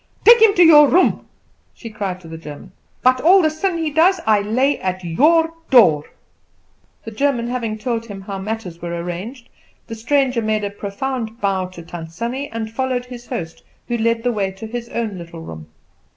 Take him to your room," she cried to the German; "but all the sin he does I lay at your door." The German having told him how matters were arranged, the stranger made a profound bow to Tant Sannie and followed his host, who led the way to his own little room.